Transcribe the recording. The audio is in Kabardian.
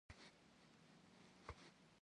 Zexeşşe şşebeş.